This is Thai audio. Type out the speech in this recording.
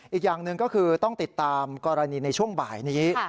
อีกอย่างหนึ่งก็คือต้องติดตามกรณีในช่วงบ่ายนี้